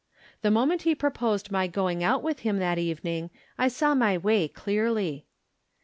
The moment he proposed my going out with him that evening, I saw my way clearly.